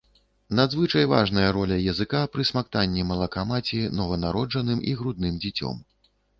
Надзвычай важная роля языка пры смактанні малака маці нованароджаным і грудным дзіцем.